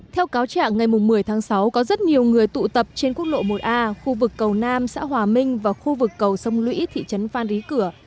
theo cáo trạng ngày một mươi tháng sáu có rất nhiều người tụ tập trên quốc lộ một a khu vực cầu nam xã hòa minh và khu vực cầu sông lũy thị trấn phan rí cửa